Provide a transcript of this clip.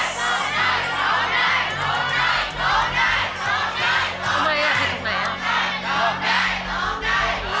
โจ๊กใจ